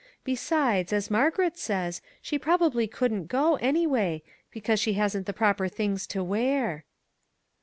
Besides, as Margaret says, she probably couldn't go, anyway, because she hasn't proper things to wear."